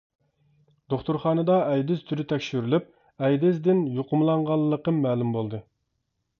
دوختۇرخانىدا ئەيدىز تۈرى تەكشۈرۈلۈپ، ئەيدىز دىن يۇقۇملانغانلىقىم مەلۇم بولدى.